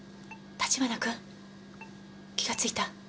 立花君気がついた？